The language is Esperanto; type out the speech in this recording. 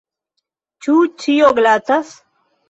Ĉu ĉio glatas?